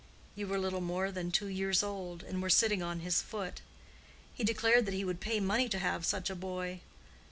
You were little more than two years old, and were sitting on his foot. He declared that he would pay money to have such a boy.